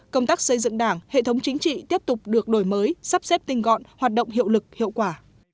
công tác xây dựng đảng hệ thống chính trị tiếp tục được đổi mới sắp xếp tinh gọn hoạt động hiệu lực hiệu quả